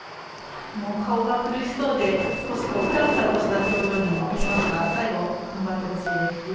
顔が苦しそうで少しふらふらとした表情にも見えますが最後、ふんばってほしいです。